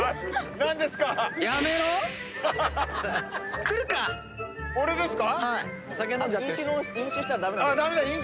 何がですか？